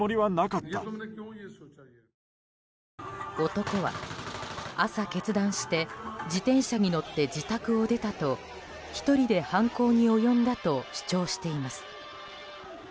男は、朝決断して自転車に乗って自宅を出たあと１人で犯行に及んだと主張しています。